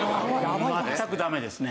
全くダメですね。